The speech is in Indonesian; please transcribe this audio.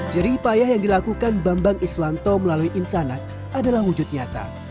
jerih payah yang dilakukan bambang iswanto melalui insanat adalah wujud nyata